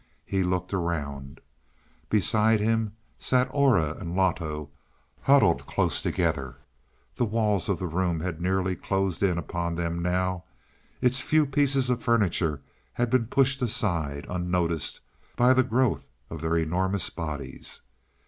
He looked around. Beside him sat Aura and Loto, huddled close together. The walls of the room had nearly closed in upon them now; its few pieces of furniture had been pushed aside, unnoticed, by the growth of their enormous bodies.